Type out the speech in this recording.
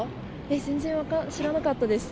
全然知らなかったです。